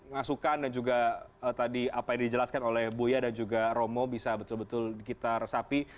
masukan dan juga tadi apa yang dijelaskan oleh buya dan juga romo bisa betul betul kita resapi